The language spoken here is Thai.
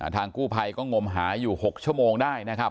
ทางกู้ภัยก็งมหาอยู่๖ชั่วโมงได้นะครับ